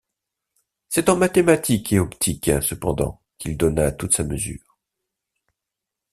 C'est en mathématiques et optique cependant qu'il donna toute sa mesure.